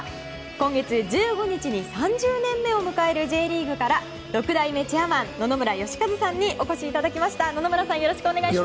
今月１５日に３０年目を迎えるＪリーグから６代目チェアマン野々村芳和さんにお越しいただきました。